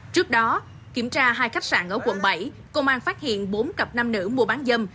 trước đó kiểm tra hai khách sạn ở quận bảy công an phát hiện bốn cặp nam nữ mua bán dâm